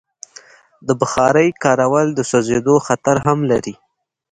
د بخارۍ کارول د سوځېدو خطر هم لري.